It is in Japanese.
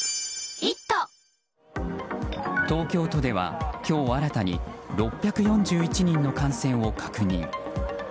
東京都では今日新たに６４１人の感染を確認。